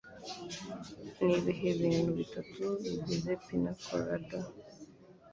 Nibihe bintu bitatu bigize Pina Colada?